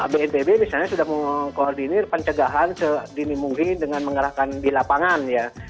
bnpb misalnya sudah mengkoordinir pencegahan sedini mungkin dengan mengerahkan di lapangan ya